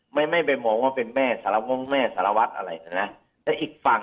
ไม่ไม่ไปมองว่าเป็นแม่สารวงแม่สารวัตรอะไรนะแต่อีกฝั่ง